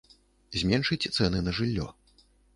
Зменшыць цэны на жыллё.